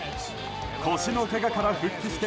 腰のけがから復帰して